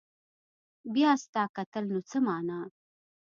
بيا ستا کتل نو څه معنا